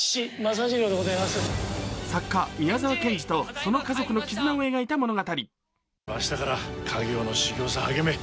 作家・宮沢賢治とその家族の絆を描いた物語。